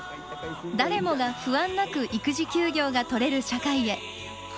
誰もが不安なく育児休業が取れる社会へ。